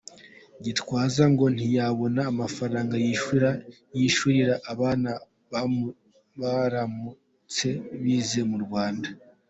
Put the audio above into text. Gitwaza ngo ntiyabona amafaranga y’ishuri yishyurira abana be baramutse bize mu Rwanda.